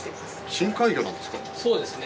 深海魚なんですか？